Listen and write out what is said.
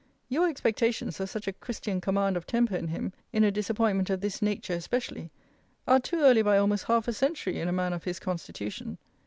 Your expectations of such a christian command of temper in him, in a disappointment of this nature especially, are too early by almost half a century in a man of his constitution.